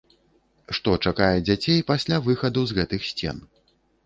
Што чакае дзяцей пасля выхаду з гэтых сцен?